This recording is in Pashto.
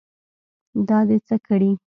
دا دې څه کړي.